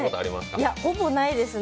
いや、ほぼないですね。